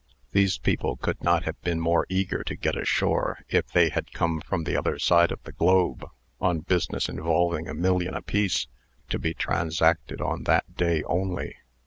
These people could not have been more eager to get ashore, if they had come from the other side of the globe on business involving a million apiece, to be transacted on that day only.